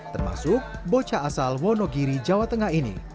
termasuk bocah asal wonogiri jawa tengah ini